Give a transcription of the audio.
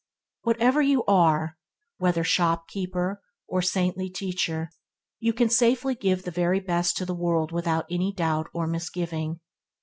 What ever you are – whether shopkeeper or saintly teacher you can safely give the very best to the world without any doubt or misgiving.